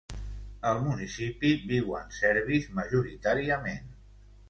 Al municipi viuen serbis majoritàriament.